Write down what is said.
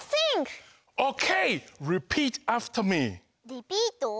リピート？